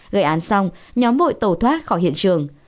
gây án xong nhóm bội tẩu thoát khỏi hiện trường